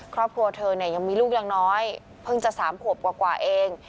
ครอบครัวเธอเนี่ยยังมีลูกยังน้อยเพิ่งจะ๓ขวบกว่าเอง